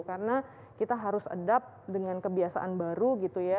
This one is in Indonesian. karena kita harus adapt dengan kebiasaan baru gitu ya